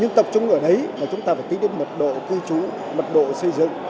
chúng ta phải tập trung vào đấy chúng ta phải tính đến mật độ cư trú mật độ xây dựng